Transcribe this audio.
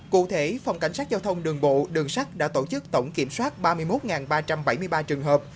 cụ thể phòng cảnh sát giao thông đường bộ đường sắt đã tổ chức tổng kiểm soát ba mươi một ba trăm bảy mươi ba trường hợp